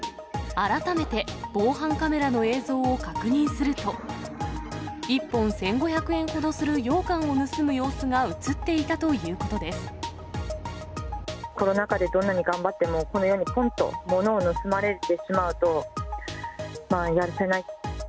改めて防犯カメラの映像を確認すると、１本１５００円ほどするようかんを盗む様子が写っていたというこコロナ禍でどんなに頑張っても、このようにぽんっと物を盗まれてしまうと、やるせない。